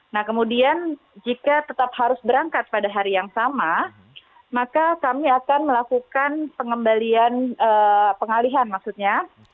nah kemudian jika tetap harus berangkat pada hari yang sama maka kami akan melakukan pengalihan maksudnya